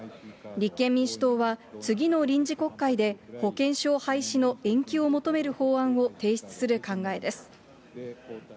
立憲民主党は、次の臨時国会で、保険証廃止の延期を求める法案を提出する考えです。